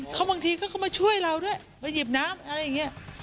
เขาบางทีเขาก็มาช่วยเราด้วยมาหยิบน้ำอะไรอย่างนี้